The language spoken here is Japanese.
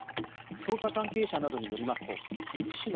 捜査関係者などによりますと岐阜市の